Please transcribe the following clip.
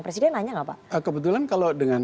presiden nanya nggak pak kebetulan kalau dengan